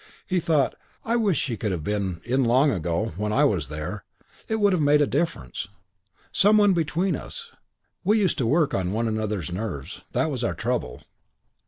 He thought, "I wish she could have been in long ago, when I was there. It would have made a difference. Some one between us. We used to work on one another's nerves. That was our trouble.